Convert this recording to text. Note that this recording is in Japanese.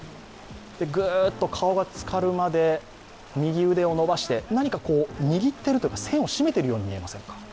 ぐっと顔がつかるまで右腕を伸ばして何か握っているというか、栓を閉めているように見えませんか？